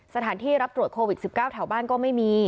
สถานที่รับตรวจโควิด๑๙แถวบ้านก็ไม่มี